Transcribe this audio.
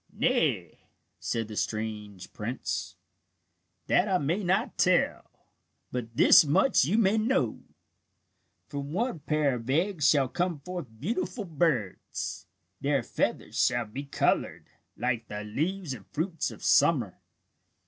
"Nay," said the strange prince, "that I may not tell. But this much you may know: "From one pair of eggs shall come forth beautiful birds. Their feathers shall be coloured, like the leaves and fruits of summer.